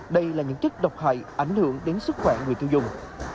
đây là những chất độc hại ảnh hưởng đến sức khỏe người tiêu dùng